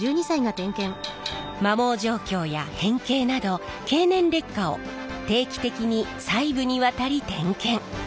摩耗状況や変形など経年劣化を定期的に細部にわたり点検。